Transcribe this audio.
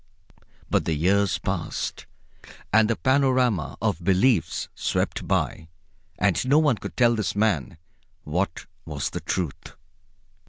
But the years passed, and the panorama of beliefs swept by, and no one could tell this man what was the Truth.